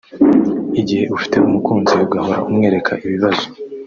Igihe ufite umukunzi ugahora umwereka ibibazo